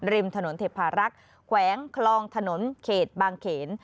ริมถนนเทพารักษ์แขวงคลองถนนเขตบางเขน